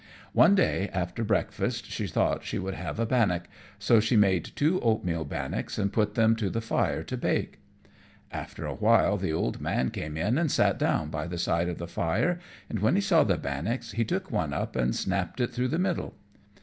One day, after breakfast, she thought she would have a bannock, so she made two oatmeal bannocks and put them to the fire to bake. After a while the old man came in and sat down by the side of the fire, and when he saw the bannocks he took up one and snapped it through the middle.